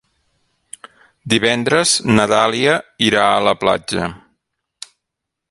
Divendres na Dàlia irà a la platja.